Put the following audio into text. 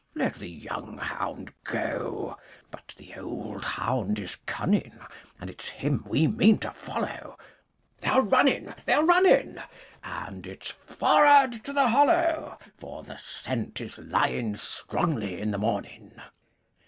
Let the young hound go! But the old hound is cunning, And it's him we mean to follow, 'They are running! They are running! And it's 'Forrard to the hollo!' For the scent is lying strongly in the morning.